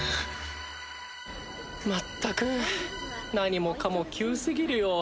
まったく何もかも急すぎるよ